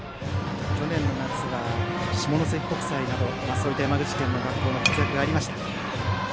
去年の夏は下関国際などそういった山口県の学校の活躍がありました。